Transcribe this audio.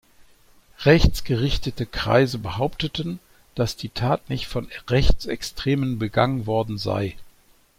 Rechtsgerichtete Kreise behaupteten, dass die Tat nicht von Rechtsextremen begangen worden sei.